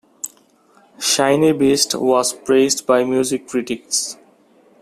"Shiny Beast" was praised by music critics.